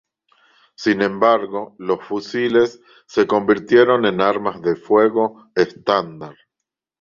Sin embargo, los fusiles se convirtieron en armas de fuego estándar.